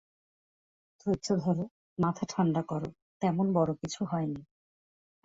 ধৈর্য ধরো, মাথা ঠান্ডা করো, তেমন বড় কিছু হয়নি।